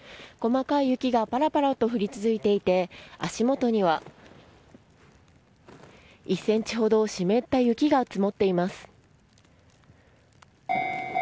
細かい雪がパラパラと降り続いていて足元には１ｃｍほど湿った雪が積もっています。